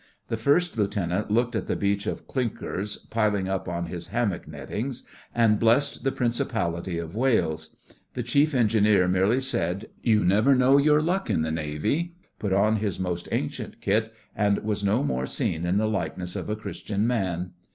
The First Lieutenant looked at the beach of clinkers piling up on his hammock nettings and blessed the Principality of Wales. The Chief Engineer merely said, 'You never know your luck in the Navy,' put on his most ancient kit, and was no more seen in the likeness of a Christian man.